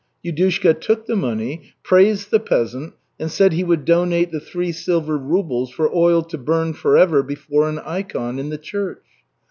Yudushka took the money, praised the peasant, and said he would donate the three silver rubles for oil to burn forever before an ikon in the church.